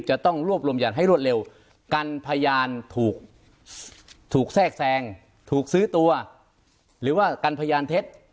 กันพยานถูกแทรกแซงถูกซื้อตัวหรือว่ากันพยานเท็จ